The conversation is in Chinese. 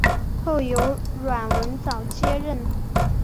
后由阮文藻接任。